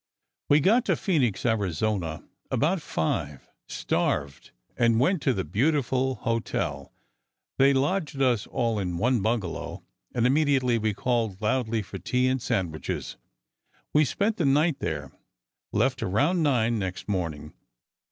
"We got to Phoenix, Arizona, about five, starved, and went to the beautiful hotel. They lodged us all in one bungalow, and immediately we called loudly for tea and sandwiches. We spent the night there, left around nine, next morning.